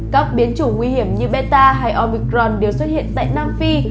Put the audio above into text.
các biến chủng nguy hiểm như beta hay obicron đều xuất hiện tại nam phi